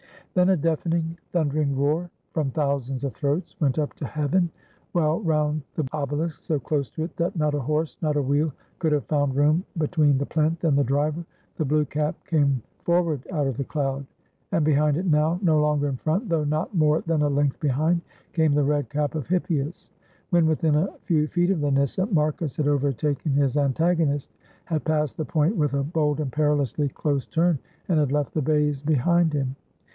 Then a deafening, thundering roar from thousands of throats went up to heaven, while, round the obelisk — so close to it that not a horse, not a wheel could have found room between the plinth and the driver — the blue cap came forward out of the cloud, and, behind it now — no longer in front, though not more than a length behind — came the red cap of Hip pias. When within a few feet of the nyssa Marcus had overtaken his antagonist, had passed the point with a bold and perilously close turn, and had left the bays behind him.